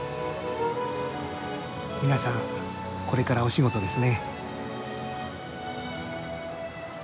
皆さんこれからお仕事ですね。